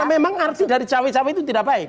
karena memang arti dari cewek cewek itu tidak baik